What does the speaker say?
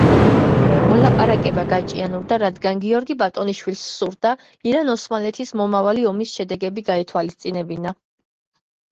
მოლაპარაკება გაჭიანურდა, რადგან გიორგი ბატონიშვილს სურდა ირან-ოსმალეთის მომავალი ომის შედეგები გაეთვალისწინებინა.